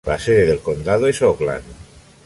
La sede del condado es Oakland.